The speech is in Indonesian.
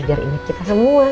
biar inget kita semua